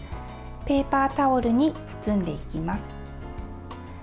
ペーパータオルに包んでいきます。